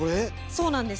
そうなんです。